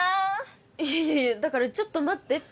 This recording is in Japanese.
いやいやいやだからちょっと待ってって。